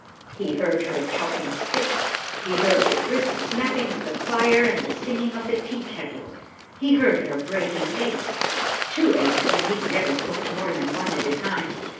He heard her chopping sticks, he heard the brisk snapping of the fire and the singing of the teakettle. He heard her breaking eggs two eggs when he never cooked more than one at a time!